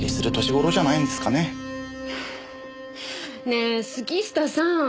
ねえ杉下さん！